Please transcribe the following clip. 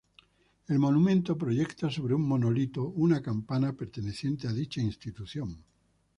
El monumento proyecta sobre un monolito, una campana perteneciente a dicha institución.